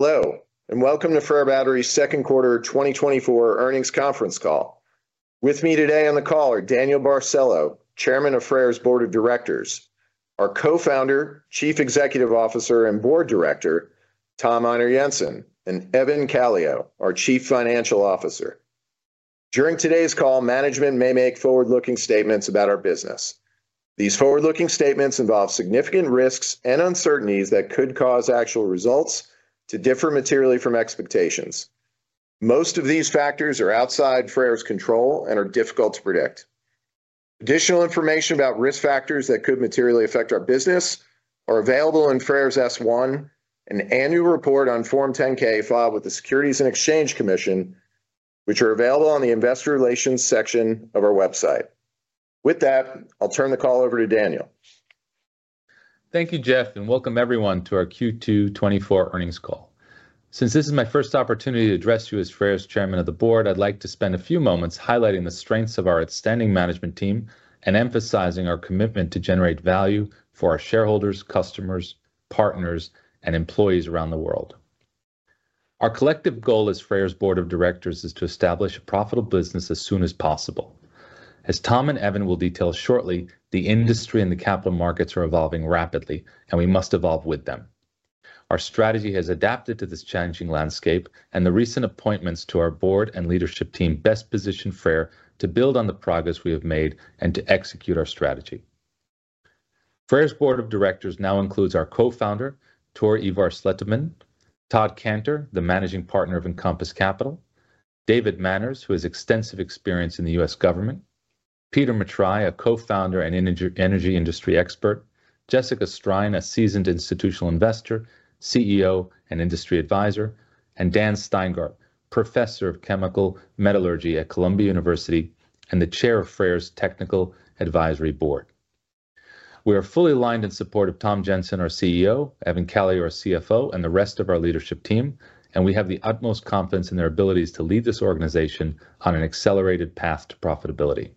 Hello, and welcome to Freyr Battery's second quarter 2024 earnings conference call. With me today on the call are Daniel Barcelo, Chairman of Freyr Battery's Board of Directors, our Co-founder, Chief Executive Officer, and Board Director, Tom Einar Jensen, and Evan Calio, our Chief Financial Officer. During today's call, management may make forward-looking statements about our business. These forward-looking statements involve significant risks and uncertainties that could cause actual results to differ materially from expectations. Most of these factors are outside Freyr's control and are difficult to predict. Additional information about risk factors that could materially affect our business are available in Freyr's S-1 and annual report on Form 10-K filed with the Securities and Exchange Commission, which are available on the investor relations section of our website. With that, I'll turn the call over to Daniel. Thank you, Jeff, and welcome everyone to our Q2 2024 earnings call. Since this is my first opportunity to address you as Freyr's Chairman of the Board, I'd like to spend a few moments highlighting the strengths of our outstanding management team and emphasizing our commitment to generate value for our shareholders, customers, partners, and employees around the world. Our collective goal as Freyr's board of directors is to establish a profitable business as soon as possible. As Tom and Evan will detail shortly, the industry and the capital markets are evolving rapidly, and we must evolve with them. Our strategy has adapted to this changing landscape, and the recent appointments to our board and leadership team best position Freyr to build on the progress we have made and to execute our strategy. Freyr's board of directors now includes our co-founder, Tor Ivar Slettemoen, Todd Kantor, the managing partner of Encompass Capital, David Manners, who has extensive experience in the U.S. government, Peter Matrai, a co-founder and energy industry expert, Jessica Strine, a seasoned institutional investor, CEO, and industry advisor, and Dan Steingart, Professor of Chemical Metallurgy at Columbia University and the Chair of Freyr's Technical Advisory Board. We are fully aligned in support of Tom Jensen, our CEO, Evan Calio, our CFO, and the rest of our leadership team, and we have the utmost confidence in their abilities to lead this organization on an accelerated path to profitability.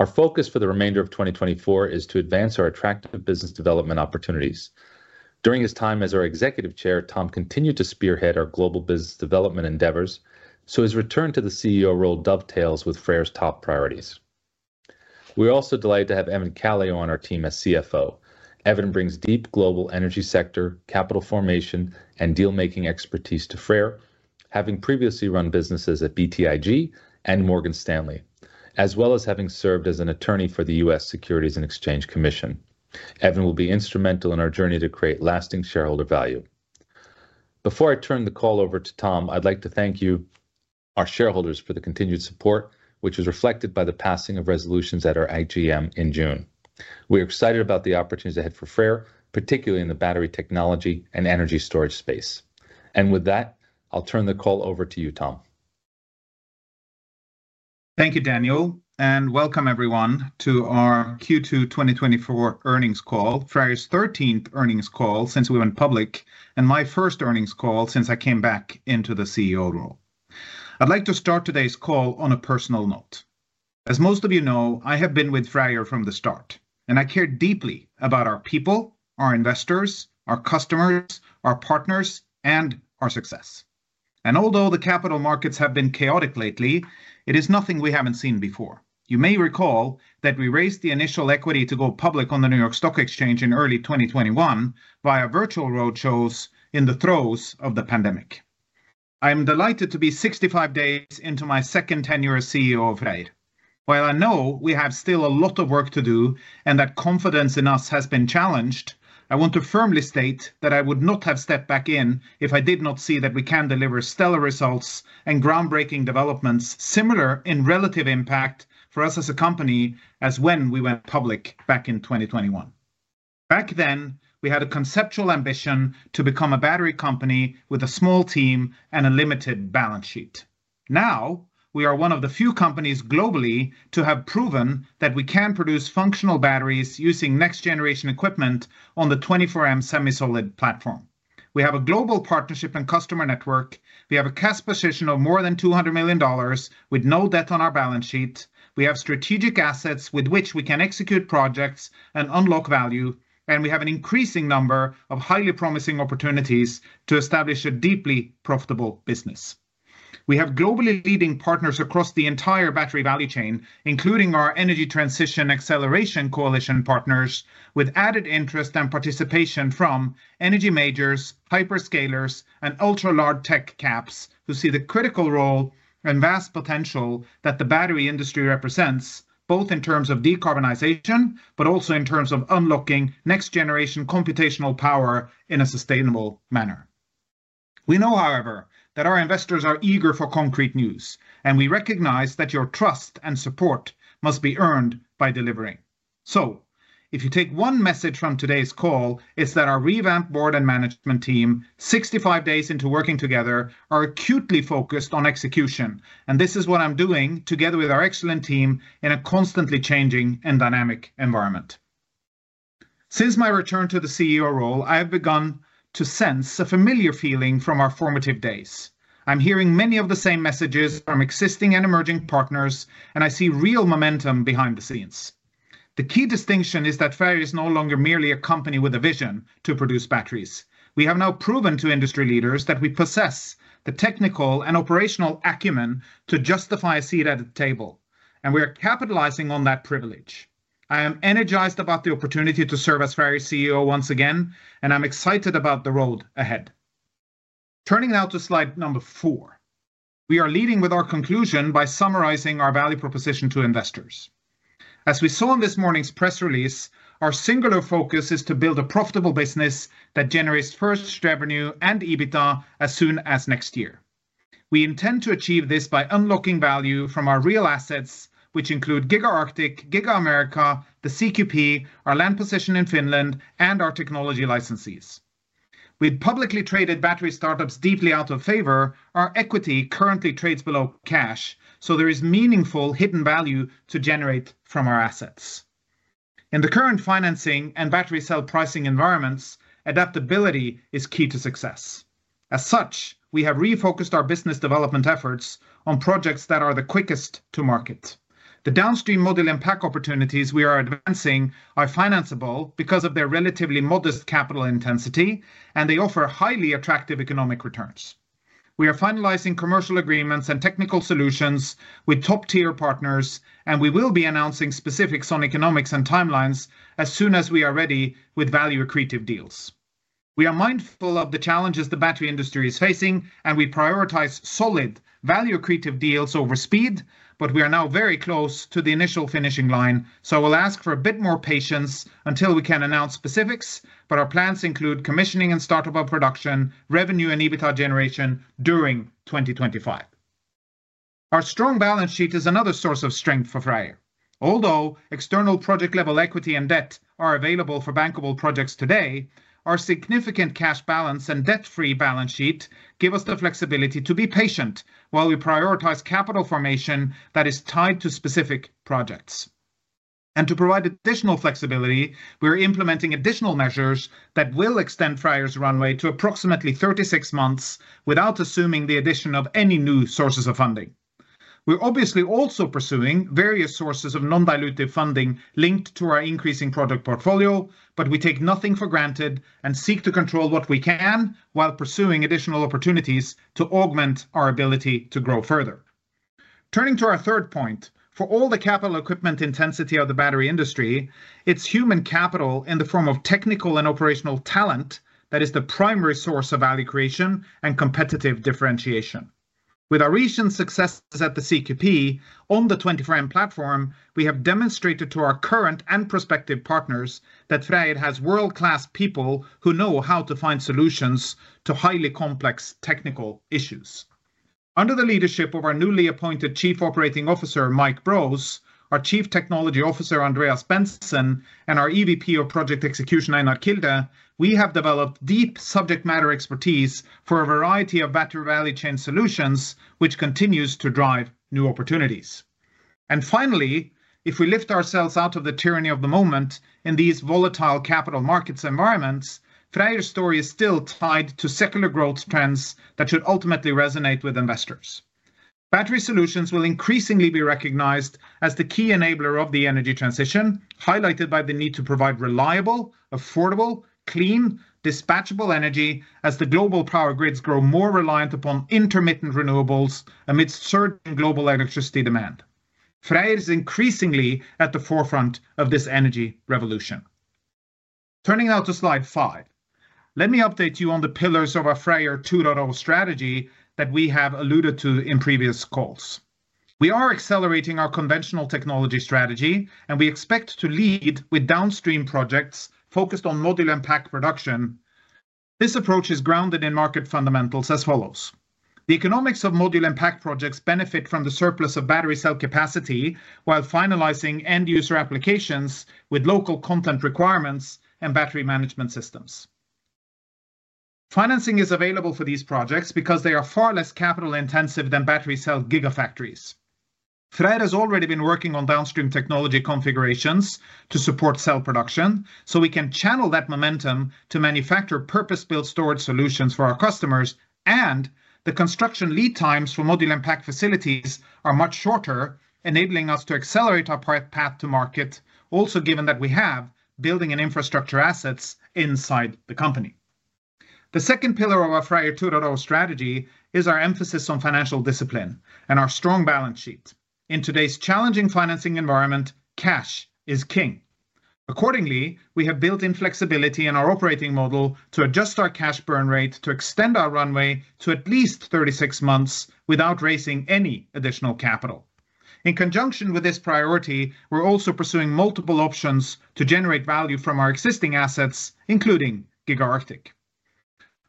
Our focus for the remainder of 2024 is to advance our attractive business development opportunities. During his time as our executive chair, Tom continued to spearhead our global business development endeavors, so his return to the CEO role dovetails with Freyr's top priorities. We are also delighted to have Evan Calio on our team as CFO. Evan brings deep global energy sector, capital formation, and deal-making expertise to Freyr, having previously run businesses at BTIG and Morgan Stanley, as well as having served as an attorney for the U.S. Securities and Exchange Commission. Evan will be instrumental in our journey to create lasting shareholder value. Before I turn the call over to Tom, I'd like to thank you, our shareholders, for the continued support, which is reflected by the passing of resolutions at our AGM in June. We are excited about the opportunities ahead for Freyr, particularly in the battery technology and energy storage space. With that, I'll turn the call over to you, Tom. Thank you, Daniel, and welcome everyone to our Q2 2024 earnings call, Freyr's 13th earnings call since we went public, and my first earnings call since I came back into the CEO role. I'd like to start today's call on a personal note. As most of you know, I have been with Freyr from the start, and I care deeply about our people, our investors, our customers, our partners, and our success. Although the capital markets have been chaotic lately, it is nothing we haven't seen before. You may recall that we raised the initial equity to go public on the New York Stock Exchange in early 2021 via virtual roadshows in the throes of the pandemic. I am delighted to be 65 days into my second tenure as CEO of Freyr. While I know we have still a lot of work to do and that confidence in us has been challenged, I want to firmly state that I would not have stepped back in if I did not see that we can deliver stellar results and groundbreaking developments similar in relative impact for us as a company as when we went public back in 2021. Back then, we had a conceptual ambition to become a battery company with a small team and a limited balance sheet. Now, we are one of the few companies globally to have proven that we can produce functional batteries using next-generation equipment on the 24M semi-solid platform. We have a global partnership and customer network. We have a cash position of more than $200 million with no debt on our balance sheet. We have strategic assets with which we can execute projects and unlock value, and we have an increasing number of highly promising opportunities to establish a deeply profitable business. We have globally leading partners across the entire battery value chain, including our Energy Transition Acceleration Coalition partners, with added interest and participation from energy majors, hyperscalers, and ultra-large tech caps, who see the critical role and vast potential that the battery industry represents, both in terms of decarbonization, but also in terms of unlocking next-generation computational power in a sustainable manner. We know, however, that our investors are eager for concrete news, and we recognize that your trust and support must be earned by delivering. So if you take one message from today's call, it's that our revamped board and management team, 65 days into working together, are acutely focused on execution, and this is what I'm doing together with our excellent team in a constantly changing and dynamic environment. Since my return to the CEO role, I have begun to sense a familiar feeling from our formative days. I'm hearing many of the same messages from existing and emerging partners, and I see real momentum behind the scenes. The key distinction is that Freyr is no longer merely a company with a vision to produce batteries. We have now proven to industry leaders that we possess the technical and operational acumen to justify a seat at the table, and we are capitalizing on that privilege. I am energized about the opportunity to serve as Freyr's CEO once again, and I'm excited about the road ahead. Turning now to slide number 4, we are leading with our conclusion by summarizing our value proposition to investors. As we saw in this morning's press release, our singular focus is to build a profitable business that generates first revenue and EBITDA as soon as next year. We intend to achieve this by unlocking value from our real assets, which include Giga Arctic, Giga America, the CQP, our land position in Finland, and our technology licensees. With publicly traded battery start-ups deeply out of favor, our equity currently trades below cash, so there is meaningful hidden value to generate from our assets. In the current financing and battery cell pricing environments, adaptability is key to success. As such, we have refocused our business development efforts on projects that are the quickest to market. The downstream module and pack opportunities we are advancing are financiable because of their relatively modest capital intensity, and they offer highly attractive economic returns. We are finalizing commercial agreements and technical solutions with top-tier partners, and we will be announcing specifics on economics and timelines as soon as we are ready with value-accretive deals. We are mindful of the challenges the battery industry is facing, and we prioritize solid value-accretive deals over speed, but we are now very close to the initial finishing line. So we'll ask for a bit more patience until we can announce specifics, but our plans include commissioning and startup of production, revenue and EBITDA generation during 2025. Our strong balance sheet is another source of strength for Freyr. Although external project-level equity and debt are available for bankable projects today, our significant cash balance and debt-free balance sheet give us the flexibility to be patient while we prioritize capital formation that is tied to specific projects. To provide additional flexibility, we're implementing additional measures that will extend Freyr's runway to approximately 36 months without assuming the addition of any new sources of funding. We're obviously also pursuing various sources of non-dilutive funding linked to our increasing product portfolio, but we take nothing for granted and seek to control what we can while pursuing additional opportunities to augment our ability to grow further. Turning to our third point, for all the capital equipment intensity of the battery industry, it's human capital in the form of technical and operational talent that is the primary source of value creation and competitive differentiation. With our recent successes at the CQP on the 20M platform, we have demonstrated to our current and prospective partners that Freyr has world-class people who know how to find solutions to highly complex technical issues. Under the leadership of our newly appointed Chief Operating Officer, Mike Brose, our Chief Technology Officer, Andreas Bengtsson, and our EVP of Project Execution, Einar Kilde, we have developed deep subject matter expertise for a variety of battery value chain solutions, which continues to drive new opportunities. And finally, if we lift ourselves out of the tyranny of the moment in these volatile capital markets environments, Freyr's story is still tied to secular growth trends that should ultimately resonate with investors. Battery solutions will increasingly be recognized as the key enabler of the energy transition, highlighted by the need to provide reliable, affordable, clean, dispatchable energy as the global power grids grow more reliant upon intermittent renewables amidst certain global electricity demand. Freyr is increasingly at the forefront of this energy revolution. Turning now to slide 5, let me update you on the pillars of our Freyr 2.0 strategy that we have alluded to in previous calls. We are accelerating our conventional technology strategy, and we expect to lead with downstream projects focused on module and pack production. This approach is grounded in market fundamentals as follows: The economics of module and pack projects benefit from the surplus of battery cell capacity while finalizing end-user applications with local content requirements and battery management systems. Financing is available for these projects because they are far less capital-intensive than battery cell gigafactories. Freyr has already been working on downstream technology configurations to support cell production, so we can channel that momentum to manufacture purpose-built storage solutions for our customers, and the construction lead times for module and pack facilities are much shorter, enabling us to accelerate our path to market, also given that we have building and infrastructure assets inside the company. The second pillar of our Freyr 2.0 strategy is our emphasis on financial discipline and our strong balance sheet. In today's challenging financing environment, cash is king. Accordingly, we have built in flexibility in our operating model to adjust our cash burn rate to extend our runway to at least 36 months without raising any additional capital. In conjunction with this priority, we're also pursuing multiple options to generate value from our existing assets, including Giga Arctic.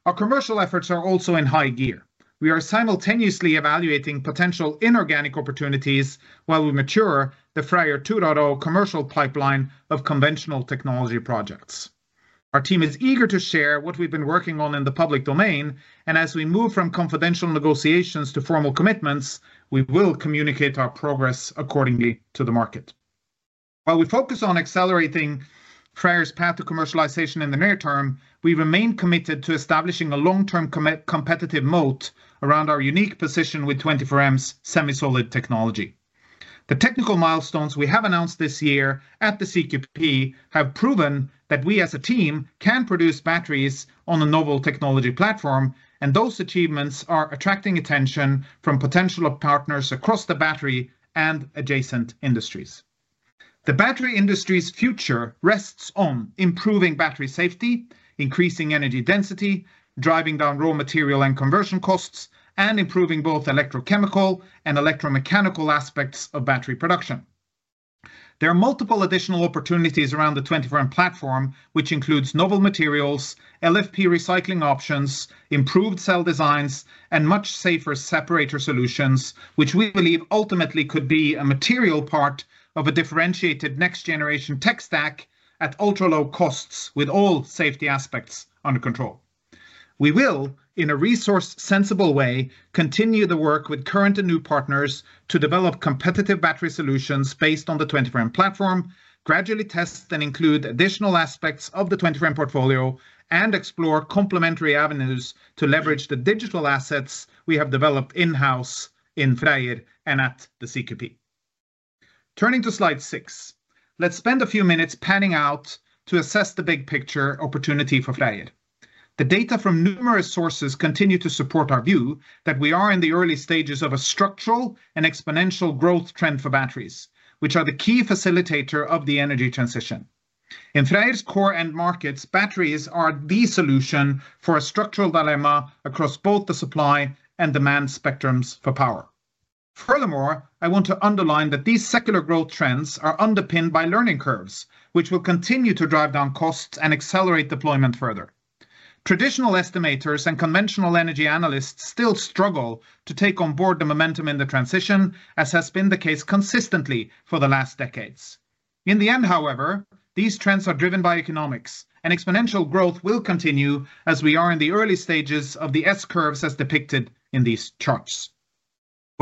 Our commercial efforts are also in high gear. We are simultaneously evaluating potential inorganic opportunities while we mature the Freyr 2.0 commercial pipeline of conventional technology projects. Our team is eager to share what we've been working on in the public domain, and as we move from confidential negotiations to formal commitments, we will communicate our progress accordingly to the market. While we focus on accelerating Freyr's path to commercialization in the near term, we remain committed to establishing a long-term competitive moat around our unique position with 24M semi-solid technology. The technical milestones we have announced this year at the CQP have proven that we as a team can produce batteries on a novel technology platform, and those achievements are attracting attention from potential partners across the battery and adjacent industries. The battery industry's future rests on improving battery safety, increasing energy density, driving down raw material and conversion costs, and improving both electrochemical and electromechanical aspects of battery production. There are multiple additional opportunities around the 24M platform, which includes novel materials, LFP recycling options, improved cell designs, and much safer separator solutions, which we believe ultimately could be a material part of a differentiated next-generation tech stack at ultra-low costs, with all safety aspects under control. We will, in a resource-sensible way, continue the work with current and new partners to develop competitive battery solutions based on the 24M platform, gradually test and include additional aspects of the 24M portfolio, and explore complementary avenues to leverage the digital assets we have developed in-house in Freyr and at the CQP. Turning to slide 6, let's spend a few minutes panning out to assess the big picture opportunity for Freyr. The data from numerous sources continue to support our view that we are in the early stages of a structural and exponential growth trend for batteries, which are the key facilitator of the energy transition. In Freyr's core end markets, batteries are the solution for a structural dilemma across both the supply and demand spectrums for power. Furthermore, I want to underline that these secular growth trends are underpinned by learning curves, which will continue to drive down costs and accelerate deployment further. Traditional estimators and conventional energy analysts still struggle to take on board the momentum in the transition, as has been the case consistently for the last decades. In the end, however, these trends are driven by economics, and exponential growth will continue as we are in the early stages of the S-curves as depicted in these charts.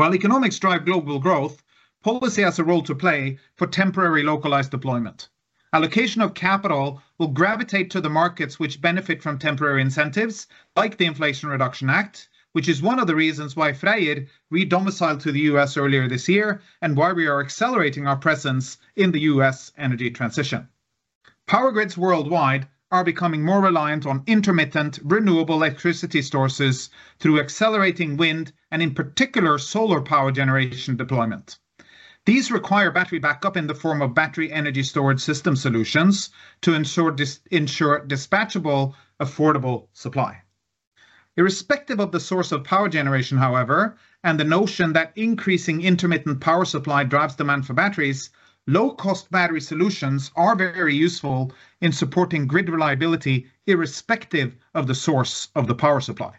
While economics drive global growth, policy has a role to play for temporary localized deployment. Allocation of capital will gravitate to the markets which benefit from temporary incentives, like the Inflation Reduction Act, which is one of the reasons why Freyr re-domiciled to the U.S. earlier this year, and why we are accelerating our presence in the U.S. energy transition. Power grids worldwide are becoming more reliant on intermittent, renewable electricity sources through accelerating wind and, in particular, solar power generation deployment. These require battery backup in the form of battery energy storage system solutions to ensure dispatchable, affordable supply. Irrespective of the source of power generation, however, and the notion that increasing intermittent power supply drives demand for batteries, low-cost battery solutions are very useful in supporting grid reliability, irrespective of the source of the power supply.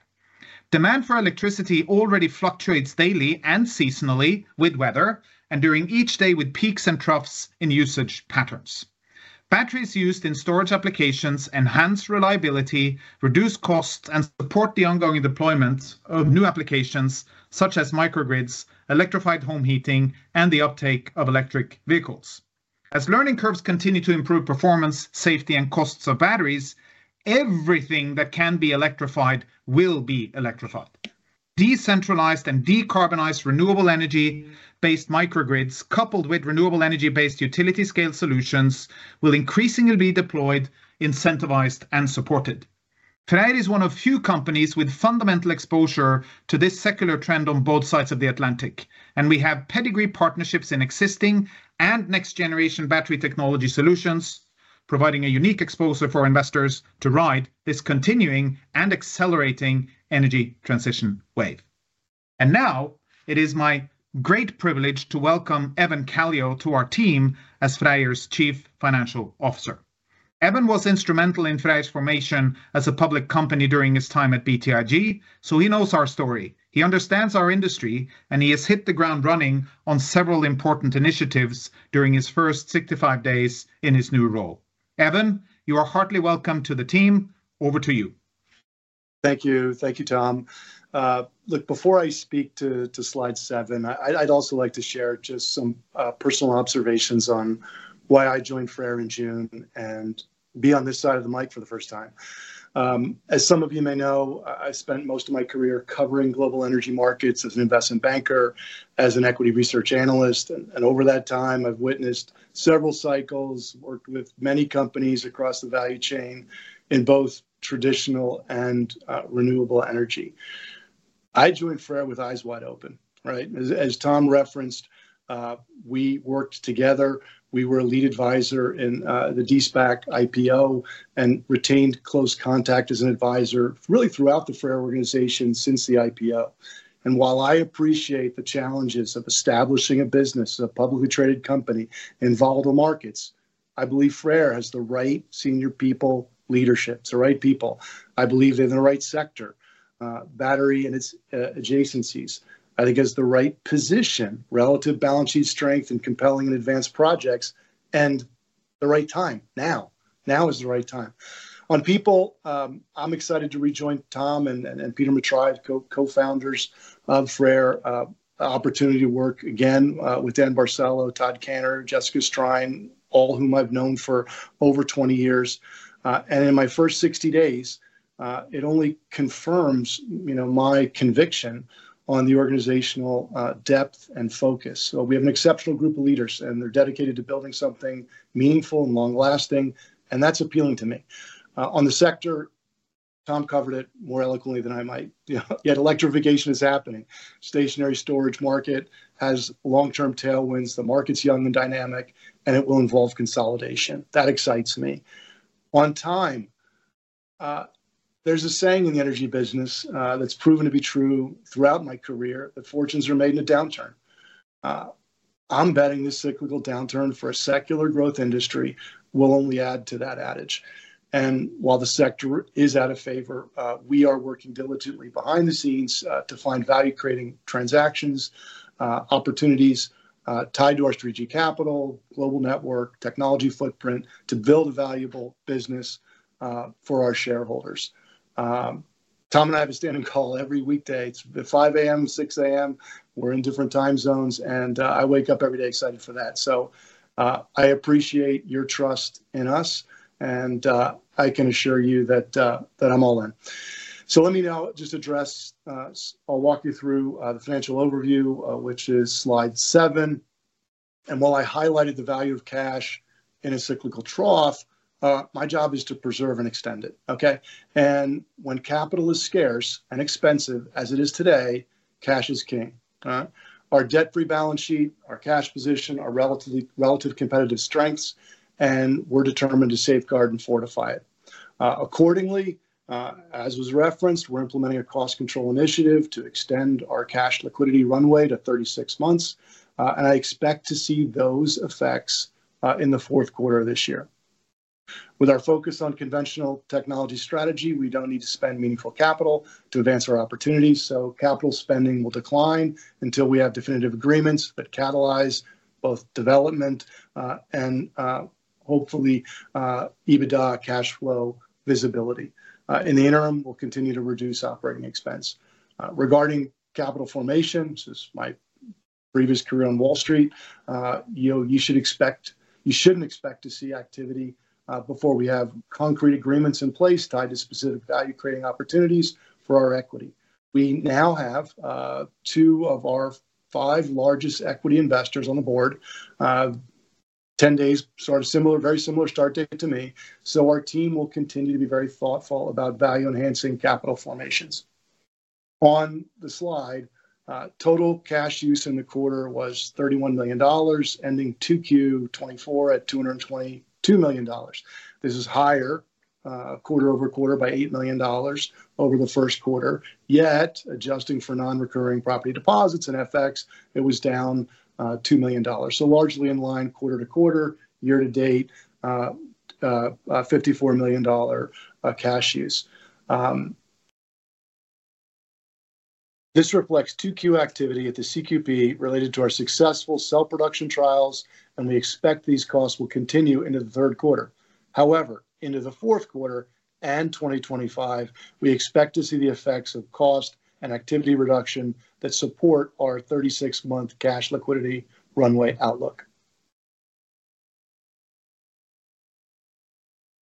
Demand for electricity already fluctuates daily and seasonally with weather, and during each day with peaks and troughs in usage patterns. Batteries used in storage applications enhance reliability, reduce costs, and support the ongoing deployment of new applications such as microgrids, electrified home heating, and the uptake of electric vehicles. As learning curves continue to improve performance, safety, and costs of batteries, everything that can be electrified will be electrified. Decentralized and decarbonized renewable energy-based microgrids, coupled with renewable energy-based utility scale solutions, will increasingly be deployed, incentivized, and supported. Freyr is one of few companies with fundamental exposure to this secular trend on both sides of the Atlantic, and we have pedigree partnerships in existing and next-generation battery technology solutions, providing a unique exposure for investors to ride this continuing and accelerating energy transition wave. Now it is my great privilege to welcome Evan Calio to our team as Freyr's Chief Financial Officer. Evan was instrumental in Freyr's formation as a public company during his time at BTIG, so he knows our story. He understands our industry, and he has hit the ground running on several important initiatives during his first 65 days in his new role. Evan, you are heartily welcome to the team. Over to you. Thank you. Thank you, Tom. Look, before I speak to slide seven, I'd also like to share just some personal observations on why I joined Freyr in June and be on this side of the mic for the first time. As some of you may know, I spent most of my career covering global energy markets as an investment banker, as an equity research analyst, and over that time, I've witnessed several cycles, worked with many companies across the value chain in both traditional and renewable energy. I joined Freyr with eyes wide open, right? As Tom referenced, we worked together. We were a lead advisor in the De-SPAC IPO and retained close contact as an advisor, really throughout the Freyr organization since the IPO. While I appreciate the challenges of establishing a business as a publicly traded company in volatile markets, I believe Freyr has the right senior people, leadership, the right people. I believe they're in the right sector, battery and its adjacencies. I think it's the right position, relative balance sheet strength, and compelling and advanced projects, and the right time, now. Now is the right time. On people, I'm excited to rejoin Tom and Peter Matrai, cofounders of Freyr. Opportunity to work again with Dan Barcelo, Todd Canner, Jessica Strine, all whom I've known for over 20 years. And in my first 60 days, it only confirms, you know, my conviction on the organizational depth and focus. So we have an exceptional group of leaders, and they're dedicated to building something meaningful and long-lasting, and that's appealing to me. On the sector, Tom covered it more eloquently than I might. Yet electrification is happening. Stationary storage market has long-term tailwinds. The market's young and dynamic, and it will involve consolidation. That excites me. On time, there's a saying in the energy business, that's proven to be true throughout my career, that fortunes are made in a downturn. I'm betting this cyclical downturn for a secular growth industry will only add to that adage. And while the sector is out of favor, we are working diligently behind the scenes, to find value-creating transactions, opportunities, tied to our strategic capital, global network, technology footprint, to build a valuable business, for our shareholders. Tom and I have a standing call every weekday. It's 5:00 A.M., 6:00 A.M., we're in different time zones, and I wake up every day excited for that. I appreciate your trust in us, and I can assure you that I'm all in. So let me now just address, I'll walk you through the financial overview, which is slide 7. And while I highlighted the value of cash in a cyclical trough, my job is to preserve and extend it, okay? And when capital is scarce and expensive, as it is today, cash is king. Our debt-free balance sheet, our cash position, are relative competitive strengths, and we're determined to safeguard and fortify it. Accordingly, as was referenced, we're implementing a cost control initiative to extend our cash liquidity runway to 36 months, and I expect to see those effects in the fourth quarter of this year. With our focus on conventional technology strategy, we don't need to spend meaningful capital to advance our opportunities, so capital spending will decline until we have definitive agreements that catalyze both development and hopefully EBITDA cash flow visibility. In the interim, we'll continue to reduce operating expense. Regarding capital formations, as my previous career on Wall Street, you know, you shouldn't expect to see activity before we have concrete agreements in place tied to specific value-creating opportunities for our equity. We now have two of our five largest equity investors on the board. 10 days, sort of similar, very similar start date to me, so our team will continue to be very thoughtful about value-enhancing capital formations. On the slide, total cash use in the quarter was $31 million, ending 2Q 2024 at $222 million. This is higher quarter-over-quarter by $8 million over the first quarter. Yet, adjusting for non-recurring property deposits and FX, it was down $2 million. So largely in line quarter-over-quarter, year-to-date $54 million dollar cash use. This reflects 2Q activity at the CQP related to our successful cell production trials, and we expect these costs will continue into the third quarter. However, into the fourth quarter and 2025, we expect to see the effects of cost and activity reduction that support our 36-month cash liquidity runway outlook.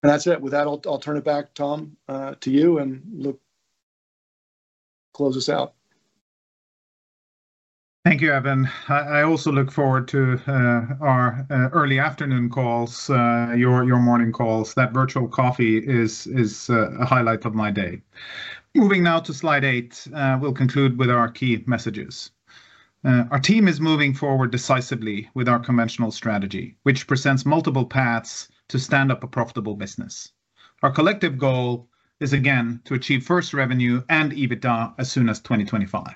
And that's it. With that, I'll turn it back to you, Tom, and look, close us out. Thank you, Evan. I also look forward to our early afternoon calls, your morning calls. That virtual coffee is a highlight of my day. Moving now to slide 8, we'll conclude with our key messages. Our team is moving forward decisively with our conventional strategy, which presents multiple paths to stand up a profitable business. Our collective goal is, again, to achieve first revenue and EBITDA as soon as 2025.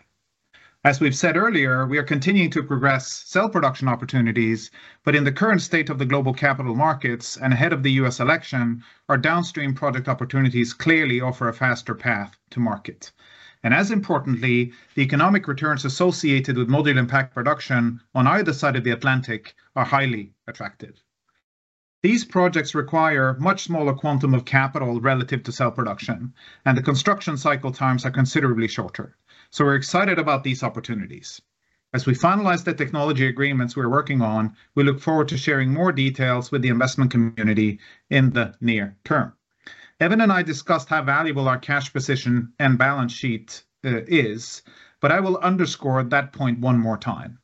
As we've said earlier, we are continuing to progress cell production opportunities, but in the current state of the global capital markets and ahead of the U.S. election, our downstream product opportunities clearly offer a faster path to market. And as importantly, the economic returns associated with module and pact production on either side of the Atlantic are highly attractive. These projects require much smaller quantum of capital relative to cell production, and the construction cycle times are considerably shorter. So we're excited about these opportunities. As we finalize the technology agreements we're working on, we look forward to sharing more details with the investment community in the near-term. Evan and I discussed how valuable our cash position and balance sheet is, but I will underscore that point one more time.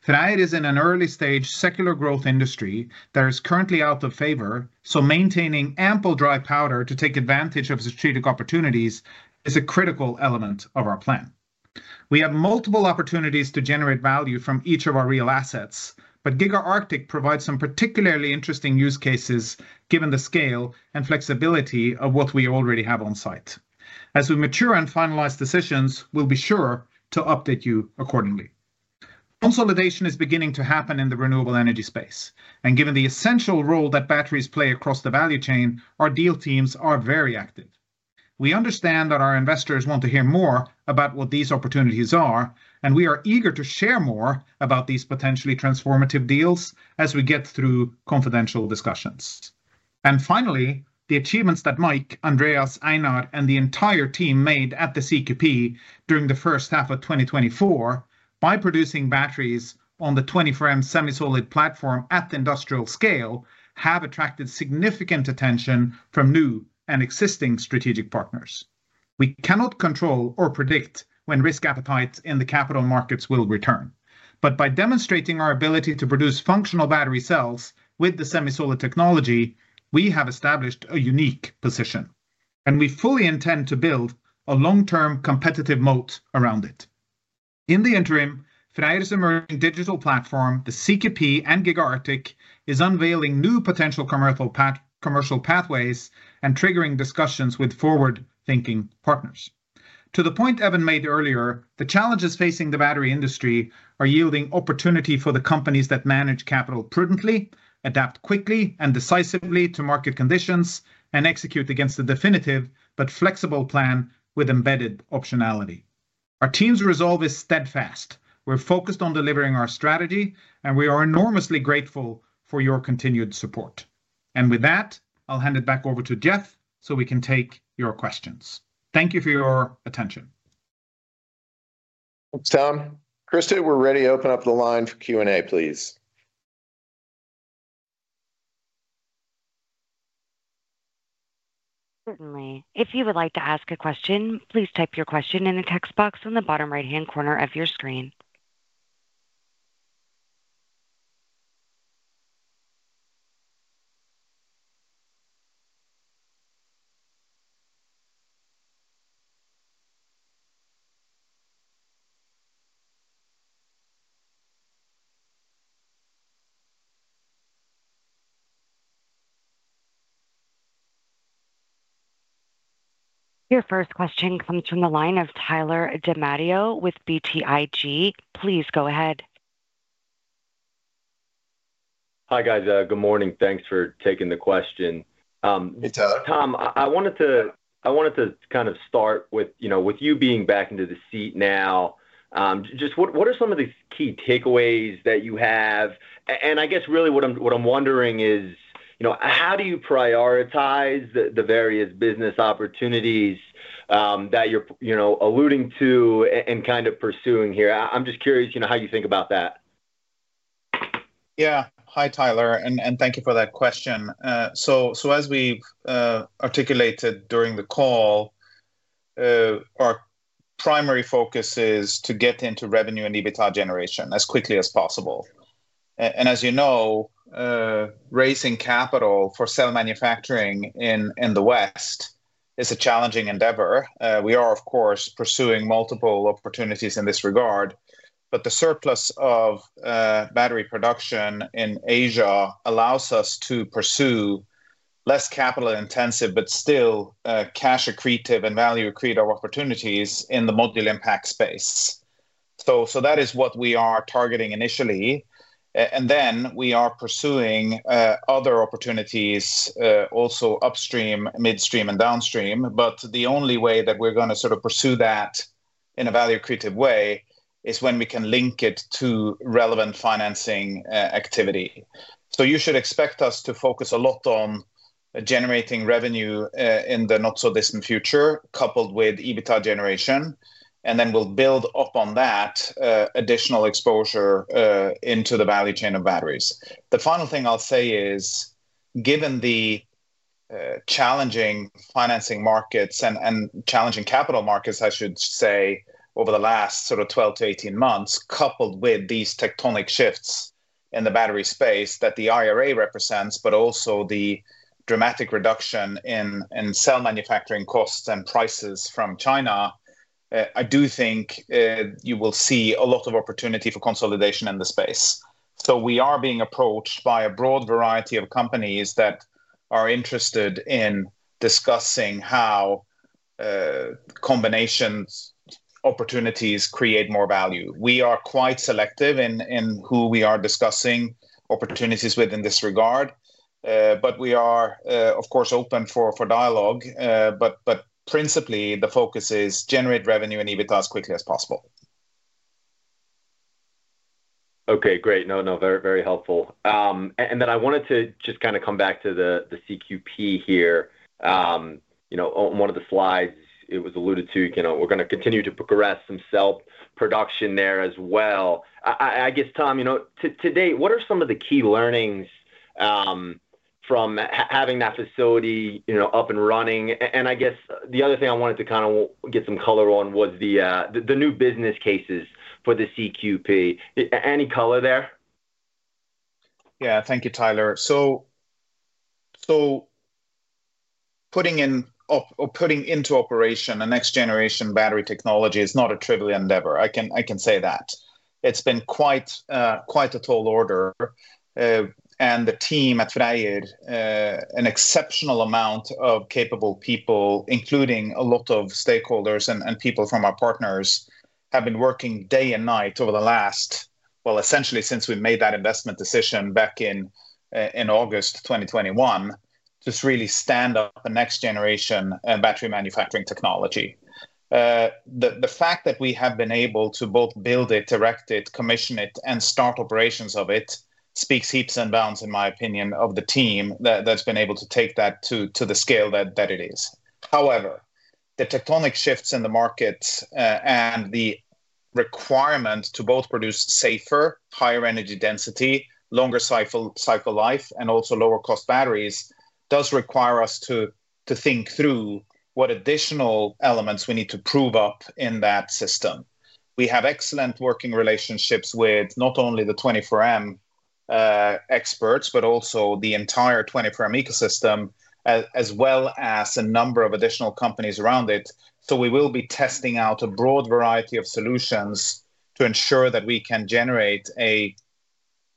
Freyr is in an early-stage, secular growth industry that is currently out of favor, so maintaining ample dry powder to take advantage of strategic opportunities is a critical element of our plan. We have multiple opportunities to generate value from each of our real assets, but Giga Arctic provides some particularly interesting use cases, given the scale and flexibility of what we already have on site. As we mature and finalize decisions, we'll be sure to update you accordingly. Consolidation is beginning to happen in the renewable energy space, and given the essential role that batteries play across the value chain, our deal teams are very active. We understand that our investors want to hear more about what these opportunities are, and we are eager to share more about these potentially transformative deals as we get through confidential discussions. And finally, the achievements that Mike, Andreas, Einar, and the entire team made at the CQP during the first half of 2024, by producing batteries on the 24M semi-solid platform at the industrial scale, have attracted significant attention from new and existing strategic partners. We cannot control or predict when risk appetites in the capital markets will return, but by demonstrating our ability to produce functional battery cells with the semi-solid technology, we have established a unique position, and we fully intend to build a long-term competitive moat around it. In the interim, Freyr's emerging digital platform, the CQP and GigaArctic, is unveiling new potential commercial path, commercial pathways and triggering discussions with forward-thinking partners. To the point Evan made earlier, the challenges facing the battery industry are yielding opportunity for the companies that manage capital prudently, adapt quickly and decisively to market conditions, and execute against the definitive but flexible plan with embedded optionality. Our team's resolve is steadfast. We're focused on delivering our strategy, and we are enormously grateful for your continued support. With that, I'll hand it back over to Jeff, so we can take your questions. Thank you for your attention. Thanks, Tom. Krista, we're ready to open up the line for Q&A, please. Certainly. If you would like to ask a question, please type your question in the text box on the bottom right-hand corner of your screen. Your first question comes from the line of Tyler DiMatteo with BTIG. Please go ahead. Hi, guys. Good morning. Thanks for taking the question. Hey, Tyler. Tom, I wanted to kind of start with, you know, with you being back into the seat now, just what, what are some of the key takeaways that you have? And I guess really what I'm, what I'm wondering is, you know, how do you prioritize the various business opportunities, that you're, you know, alluding to and kind of pursuing here? I'm just curious, you know, how you think about that. Yeah. Hi, Tyler, and thank you for that question. So, as we've articulated during the call, our primary focus is to get into revenue and EBITDA generation as quickly as possible. And as you know, raising capital for cell manufacturing in the West is a challenging endeavor. We are, of course, pursuing multiple opportunities in this regard, but the surplus of battery production in Asia allows us to pursue less capital-intensive, but still, cash accretive and value accretive opportunities in the module impact space. So, that is what we are targeting initially, and then we are pursuing other opportunities also upstream, midstream, and downstream. But the only way that we're gonna sort of pursue that in a value accretive way is when we can link it to relevant financing activity. So you should expect us to focus a lot on generating revenue, in the not-so-distant future, coupled with EBITDA generation, and then we'll build upon that, additional exposure, into the value chain of batteries. The final thing I'll say is, given the challenging financing markets and challenging capital markets, I should say, over the last sort of 12-18 months, coupled with these tectonic shifts in the battery space that the IRA represents, but also the dramatic reduction in cell manufacturing costs and prices from China, I do think you will see a lot of opportunity for consolidation in the space. So we are being approached by a broad variety of companies that are interested in discussing how combinations, opportunities create more value. We are quite selective in who we are discussing opportunities with in this regard, but we are, of course, open for dialogue, but principally, the focus is generate revenue and EBITDA as quickly as possible. Okay, great. No, no, very, very helpful. And then I wanted to just kind of come back to the CQP here. You know, on one of the slides, it was alluded to, you know, we're gonna continue to progress some cell production there as well. I guess, Tom, you know, to date, what are some of the key learnings from having that facility, you know, up and running? And I guess the other thing I wanted to kind of get some color on was the, the, the new business cases for the CQP. Any color there? Yeah. Thank you, Tyler. So, putting into operation a next-generation battery technology is not a trivial endeavor. I can say that. It's been quite a tall order, and the team at Freyr, an exceptional amount of capable people, including a lot of stakeholders and people from our partners, have been working day and night, well, essentially, since we've made that investment decision back in August 2021, just really stand up the next generation battery manufacturing technology. The fact that we have been able to both build it, direct it, commission it, and start operations of it, speaks heaps and bounds, in my opinion, of the team that's been able to take that to the scale that it is. However, the tectonic shifts in the market and the requirement to both produce safer, higher energy density, longer cycle life, and also lower-cost batteries does require us to think through what additional elements we need to prove up in that system. We have excellent working relationships with not only the 24M experts, but also the entire 24M ecosystem, as well as a number of additional companies around it. So we will be testing out a broad variety of solutions to ensure that we can generate a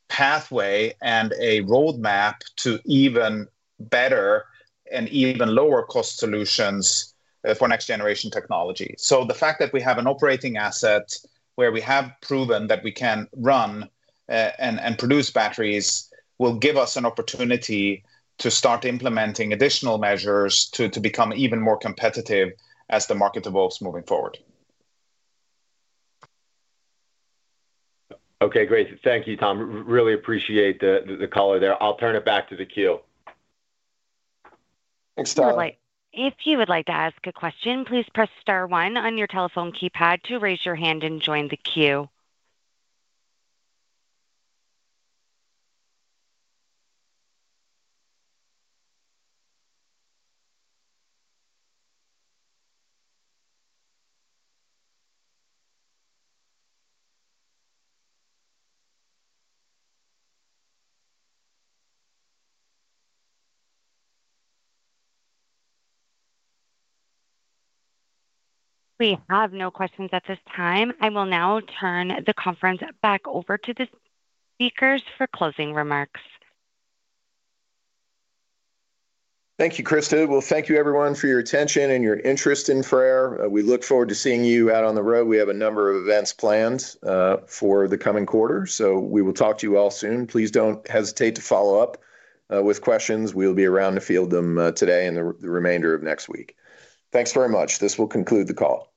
pathway and a roadmap to even better and even lower-cost solutions for next-generation technology. The fact that we have an operating asset where we have proven that we can run and produce batteries will give us an opportunity to start implementing additional measures to become even more competitive as the market evolves moving forward. Okay, great. Thank you, Tom. Really appreciate the, the caller there. I'll turn it back to the queue. Thanks, Tyler. If you would like to ask a question, please press star one on your telephone keypad to raise your hand and join the queue. We have no questions at this time. I will now turn the conference back over to the speakers for closing remarks. Thank you, Krista. Well, thank you everyone for your attention and your interest in Freyr. We look forward to seeing you out on the road. We have a number of events planned for the coming quarter, so we will talk to you all soon. Please don't hesitate to follow up with questions. We'll be around to field them today and the remainder of next week. Thanks very much. This will conclude the call. Thank you.